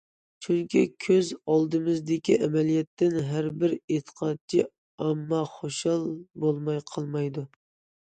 چۈنكى، كۆز ئالدىمىزدىكى ئەمەلىيەتتىن ھەر بىر ئېتىقادچى ئامما خۇشال بولماي قالمايدۇ.